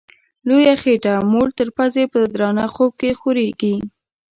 لویه خېټه موړ تر پزي په درانه خوب کي خوریږي